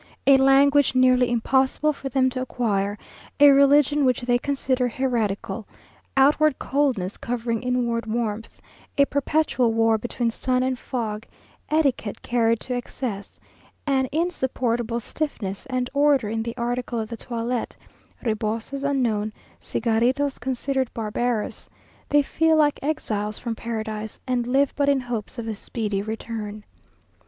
A language nearly impossible for them to acquire, a religion which they consider heretical, outward coldness covering inward warmth, a perpetual war between sun and fog, etiquette carried to excess, an insupportable stiffness and order in the article of the toilet; rebosos unknown, cigaritos considered barbarous.... They feel like exiles from paradise, and live but in hopes of a speedy return.